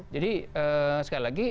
jadi sekali lagi